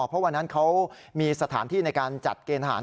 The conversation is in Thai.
เพราะวันนั้นเขามีสถานที่ในการจัดเกณฑหาร